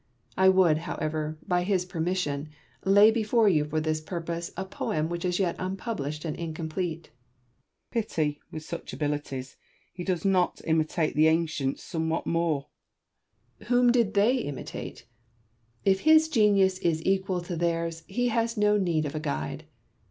I would, however, by his permission, lay before you for this purpose a poem which is yet unpublished and incomplete. Porson. Pity, with such abilities, he does not imitate the ancients somewhat more. Southey. Whom did they imitate ? If his genius is equal to theirs he has no need of a guide.